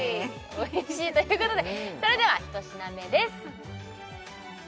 おいしいということでそれでは１品目です